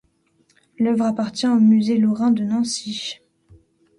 L'œuvre appartient au Musée lorrain de Nancy.